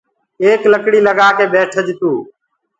ايڪ لڪڙيٚ لگآ ڪي ٻيٺج تو